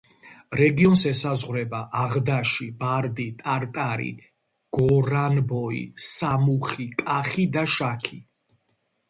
რეგიონს ესაზღვრება აღდაში, ბარდი, ტარტარი, გორანბოი, სამუხი, კახი და შაქი.